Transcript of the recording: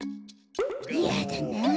やだなあ